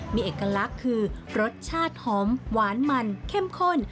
มีเอกลักษณ์คือรสชาติหอมหวานมันเข้มข้น